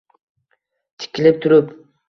Tikilib turib